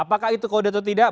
apakah itu kode atau tidak